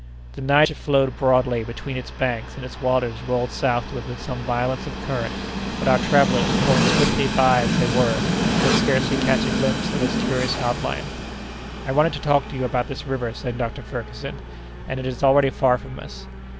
The Niger flowed broadly between its banks, and its waters rolled southward with some violence of current; but our travellers, borne swiftly by as they were, could scarcely catch a glimpse of its curious outline. "I wanted to talk to you about this river," said Dr. Ferguson, "and it is already far from us.